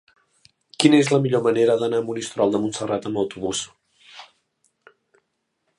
Quina és la millor manera d'anar a Monistrol de Montserrat amb autobús?